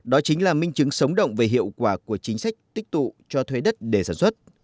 đó chính là minh chứng sống động về hiệu quả của chính sách tích tụ cho thuê đất để sản xuất